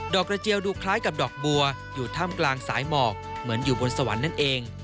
กระเจียวดูคล้ายกับดอกบัวอยู่ถ้ำกลางสายหมอกเหมือนอยู่บนสวรรค์นั่นเอง